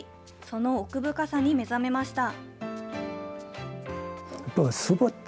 その奥深さに目覚めました。